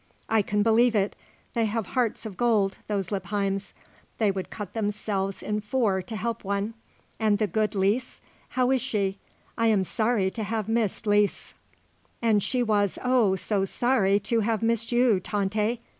"I can believe it. They have hearts of gold, those Lippheims. They would cut themselves in four to help one. And the good Lise? How is she? I am sorry to have missed Lise." "And she was, oh, so sorry to have missed you, Tante.